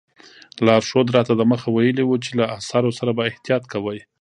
لارښود راته دمخه ویلي وو چې له اثارو سره به احتیاط کوئ.